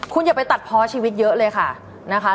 คุณอย่าไปตัดเพาะชีวิตเยอะเลยค่ะนะคะ